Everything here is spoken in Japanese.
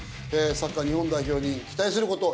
サッカー日本代表に期待すること。